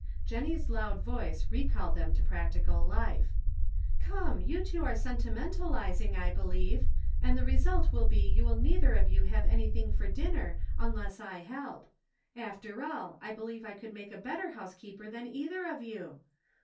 Jennie's loud voice recalled them to prac tical life. "Come, you two are sentimentalizing, I believe, and the result will be you will neither of you have anything for dinner, unless I help. After all, I believe I would make a better housekeeper than either of you.